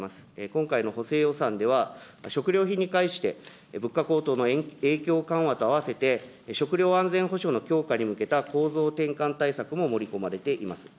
今回の補正予算では、食料品に対して、物価高騰の影響緩和とあわせて、食料安全保障の強化に向けた構造転換対策も盛り込まれています。